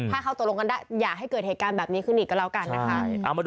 ถ้าเข้าตกลงกันได้อย่าให้เกิดเหตุการณ์แบบนี้ขึ้นอีกก็แล้วกันนะคะ